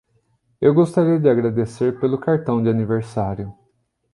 Eu gostaria de agradecer pelo cartão de aniversário.